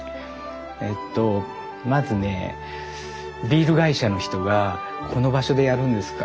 えっとまずねビール会社の人が「この場所でやるんですか？」。